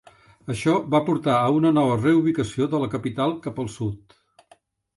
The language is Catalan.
Això va portar a una nova reubicació de la capital cap al sud.